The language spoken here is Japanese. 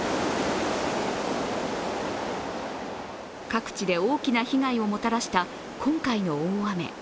各地で大きな被害をもたらした今回の大雨。